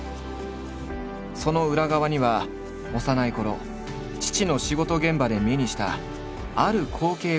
その裏側には幼いころ父の仕事現場で目にしたある光景が影響している。